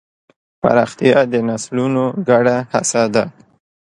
پراختیا د نسلونو ګډه هڅه ده.